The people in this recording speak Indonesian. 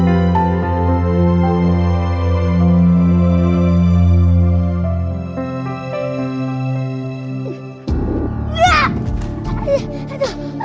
aduh aduh aduh